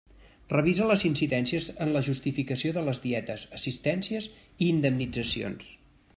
Revisa les incidències en la justificació de les dietes, assistències i indemnitzacions.